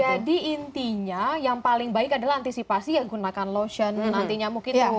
jadi intinya yang paling baik adalah antisipasi ya gunakan lotion nanti nyamuk itu